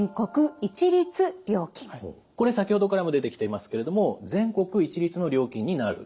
これ先ほどからも出てきていますけれども全国一律の料金になる。